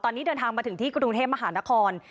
ตอนนี้เดินทางมาถึงที่กรุงเทพมหานคร